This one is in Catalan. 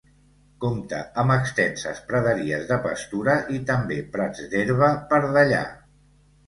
Compta amb extenses praderies de pastura i també prats d'herba per dallar.